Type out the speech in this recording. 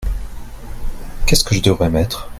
Qu'est-ce que je devrais mettre ?